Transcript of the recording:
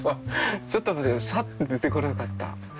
ちょっと待ってサッと出てこなかった。